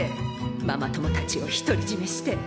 ママ友たちを独り占めして。